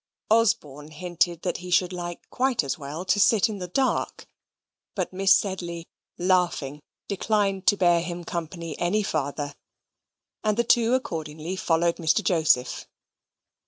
Osborne hinted that he should like quite as well to sit in the dark; but Miss Sedley, laughing, declined to bear him company any farther, and the two accordingly followed Mr. Joseph.